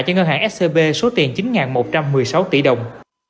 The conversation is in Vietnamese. cho ngân hàng scb số tiền chín một trăm một mươi sáu tỷ đồng